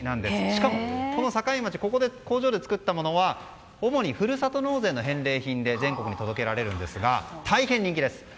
しかも、この境町のこの工場で作ったものは主に、ふるさと納税の返礼品で全国に届けられるんですが大変人気です